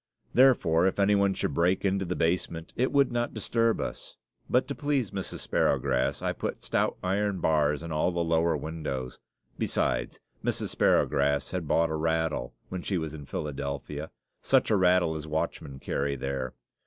Therefore, if any one should break into the basement it would not disturb us; but to please Mrs. Sparrowgrass, I put stout iron bars in all the lower windows. Besides, Mrs. Sparrowgrass had bought a rattle when she was in Philadelphia; such a rattle as watchmen carry there.